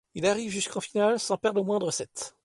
Il arrive jusqu'en finale sans perdre le moindre set.